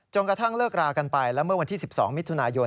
กระทั่งเลิกรากันไปแล้วเมื่อวันที่๑๒มิถุนายน